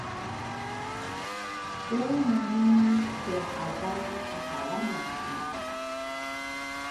ku Muni kiaaba putavanane.